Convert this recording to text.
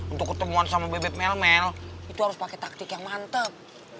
untuk ketemuan sama bebek mel mel itu harus pakai taktik yang mantep